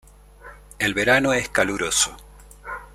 El verano es caluroso.